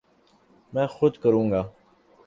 میں خود کروں گا